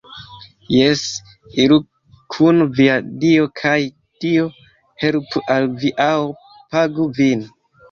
Jes, iru kun via Dio kaj Dio helpu al vi aŭ pagu vin